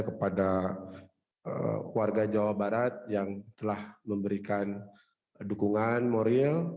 kepada warga jawa barat yang telah memberikan dukungan moral